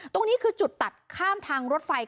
ตรงนี้คือจุดตัดข้ามทางรถไฟ